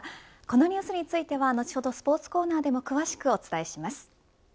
このニュースについては後ほどスポーツコーナーでも詳しくお伝えします。